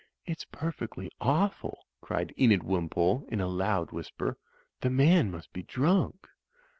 "It's perfectly awful," cried Enid Wimpole, in a loud whisper, "the man must be drunk."